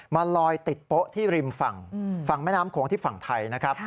มาลอยติดโป๊ะที่ริมฝั่งฝั่งแม่น้ำโขงที่ฝั่งไทยนะครับ